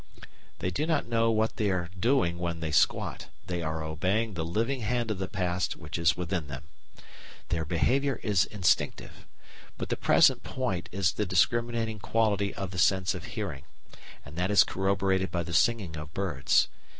They do not know what they are doing when they squat; they are obeying the living hand of the past which is within them. Their behaviour is instinctive. But the present point is the discriminating quality of the sense of hearing; and that is corroborated by the singing of birds.